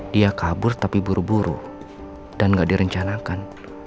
dia kabur tapi buru buru dan gak direncanakan